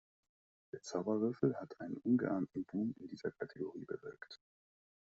Der Zauberwürfel hat einen ungeahnten Boom in dieser Kategorie bewirkt.